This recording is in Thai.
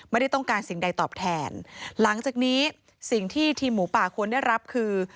ไม่ได้ต้องการสิ่งใดตอบแทนหลังจากนี้สิ่งที่ทีมหมูป่าควรได้รับคือ